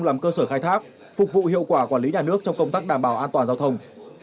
làm cơ sở khai thác phục vụ hiệu quả quản lý nhà nước trong công tác đảm bảo an toàn giao thông